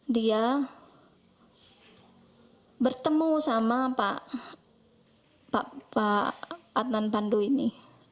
dia bertemu sama pak adnan pandu ini